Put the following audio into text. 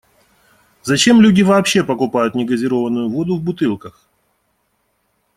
Зачем люди вообще покупают негазированную воду в бутылках?